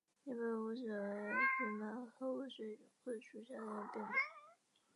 尼泊尔雾水葛为荨麻科雾水葛属下的一个变种。